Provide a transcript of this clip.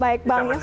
baik bang yos